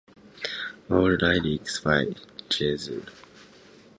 All lyrics by Gessle.